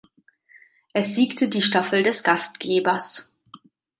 Es siegte die Staffel des Gastgebers.